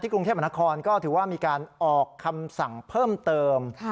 กรุงเทพมนครก็ถือว่ามีการออกคำสั่งเพิ่มเติม